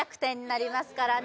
なりますからね